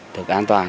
thực an toàn